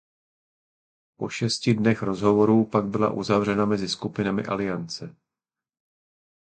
Po šesti dnech rozhovorů pak byla uzavřena mezi skupinami aliance.